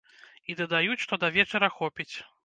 І дадаюць, што да вечара хопіць.